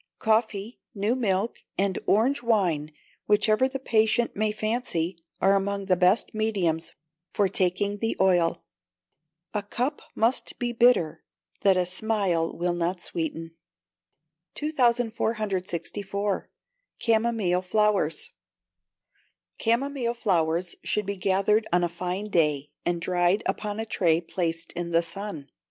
Coffee, new milk, and orange wine, whichever the patient may fancy, are among the best mediums for taking the oil. [A CUP MUST BE BITTER THAT A SMILE WILL NOT SWEETEN.] 2464. Camomile Flowers. Camomile flowers should be gathered on a fine day, and dried upon a tray placed in the sun.